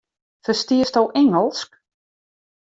Ferstiesto Ingelsk?